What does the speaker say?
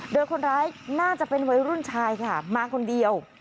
โดยคนร้ายน่าจะเป็นวัยรุ่นชายค่ะมาคนเดียว